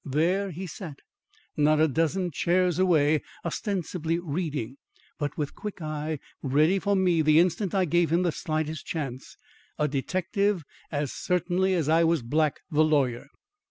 There he sat, not a dozen chairs away, ostensibly reading, but with a quick eye ready for me the instant I gave him the slightest chance: a detective, as certainly as I was Black, the lawyer.